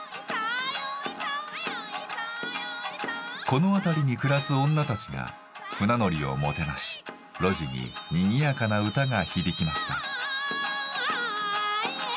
このあたりに暮らす女たちが船乗りをもてなし路地ににぎやかな歌が響きました。